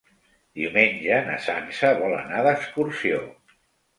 Diumenge na Sança vol anar d'excursió.